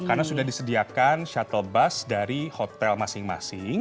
karena sudah disediakan shuttle bus dari hotel masing masing